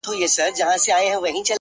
• د چا عقل چي انسان غوندي پر لار وي ,